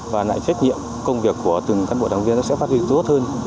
và lại trách nhiệm công việc của từng cán bộ đảng viên sẽ phát triển tốt hơn